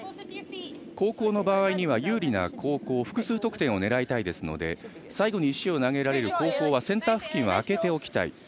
後攻の場合、有利な後攻複数得点を狙いたいので最後に石を投げられる後攻はセンター付近は空けておきたい。